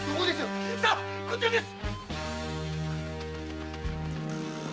さあこちらです！